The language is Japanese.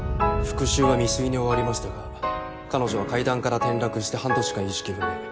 復讐は未遂に終わりましたが彼女は階段から転落して半年間意識不明。